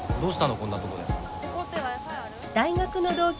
こんなとこで。